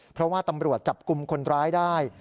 เพราะว่าตำรวจจับกลุ่มคนร้ายได้